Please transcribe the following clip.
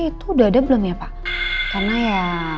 itu udah ada belum ya pak karena ya